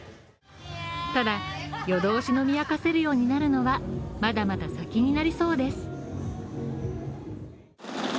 ただ、夜通し飲み明かせるようになるのはまだまだ先になりそうです。